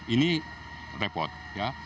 ini repot ya